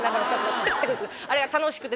あれが楽しくて。